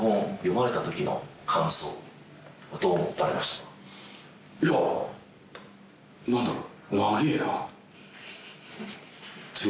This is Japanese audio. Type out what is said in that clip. いやなんだろう。